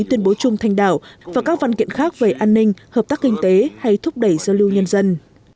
tuyên bố chung thanh đảo và các văn kiện khác về an ninh hợp tác kinh tế hay thúc đẩy giao lưu nhân dân